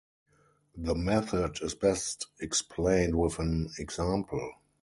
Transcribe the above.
The method is best explained with an example.